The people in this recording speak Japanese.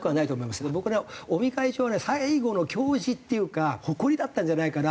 僕ね尾身会長はね最後の矜持っていうか誇りだったんじゃないかな。